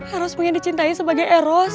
eros pengen dicintai sebagai eros